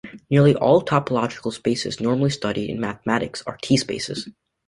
Nearly all topological spaces normally studied in mathematics are T spaces.